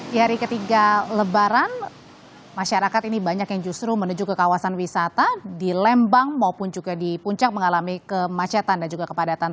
di hari ketiga lebaran masyarakat ini banyak yang justru menuju ke kawasan wisata di lembang maupun juga di puncak mengalami kemacetan dan juga kepadatan